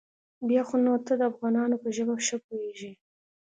بيا خو نو ته د افغانانو په ژبه ښه پوېېږې.